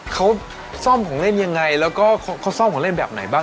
เขาซ่อมของเล่นยังไงแล้วก็เขาซ่อมของเล่นแบบไหนบ้าง